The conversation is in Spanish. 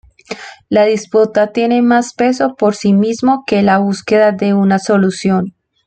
La disputa tiene más peso por sí misma que la búsqueda de una solución.